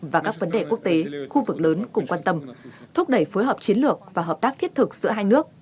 và các vấn đề quốc tế khu vực lớn cùng quan tâm thúc đẩy phối hợp chiến lược và hợp tác thiết thực giữa hai nước